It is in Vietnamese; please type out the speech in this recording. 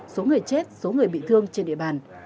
số người chết số người bị thương trên địa bàn